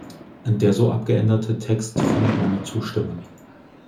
Der so abgeänderte Text findet meine Zustimmung.